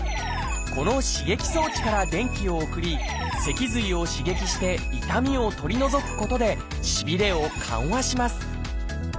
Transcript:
この刺激装置から電気を送り脊髄を刺激して痛みを取り除くことでしびれを緩和します。